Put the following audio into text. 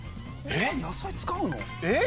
えっ野菜使うの？